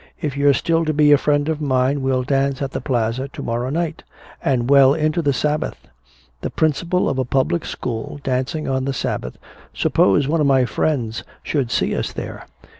"If you're still to be a friend of mine we'll dance at the Plaza to morrow night and well into the Sabbath." "The principal of a public school dancing on the Sabbath. Suppose one of my friends should see us there."